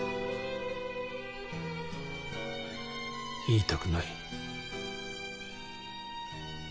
言いたくない。